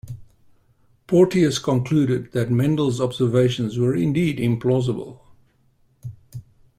Porteous concluded that Mendel's observations were indeed implausible.